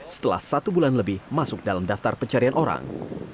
setelah satu bulan lebih masuk dalam daftar pencarian orang